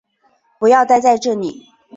不要待在这里